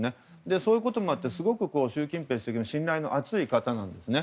そういうこともあってすごく習近平主席の信頼の厚い方なんですね。